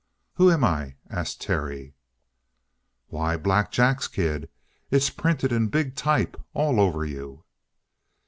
"Who am I?" asked Terry. "Why, Black Jack's kid. It's printed in big type all over you."